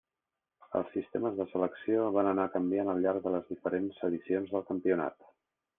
Els sistemes de selecció van anar canviant al llarg de les diferents edicions del campionat.